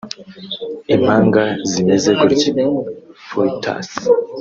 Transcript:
Impanga zimeze gutya «fœtus in fœtu»